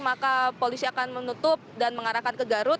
maka polisi akan menutup dan mengarahkan ke garut